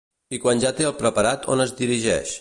I quan ja el té preparat on es dirigeix?